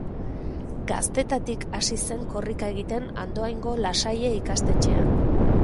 Gaztetatik hasi zen korrika egiten Andoaingo La Salle ikastetxean.